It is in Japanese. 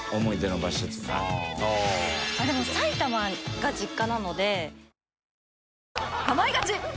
でも埼玉が実家なので。